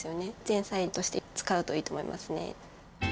前菜として使うといいと思いますね。